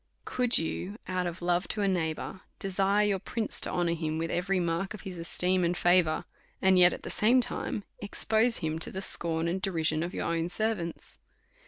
Could you out of love to a neighbour desire your prince to honour him with every mark of esteem and favour, and yet at the same time expose him to the scorn and derision of your own servants?